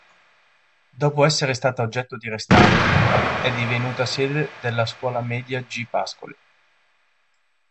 Dopo essere stata oggetto di restauro, è divenuta sede della scuola media "G. Pascoli".